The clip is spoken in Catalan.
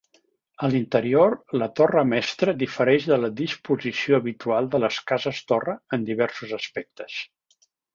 A l'interior, la torre mestra difereix de la disposició habitual de les cases-torre en diversos aspectes.